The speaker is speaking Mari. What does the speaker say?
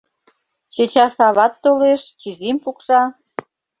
— Чечас ават толеш, чизим пукша.